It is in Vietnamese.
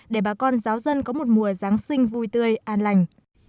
để bà con giáo dân có một mùa giáng sinh vui tươi an lành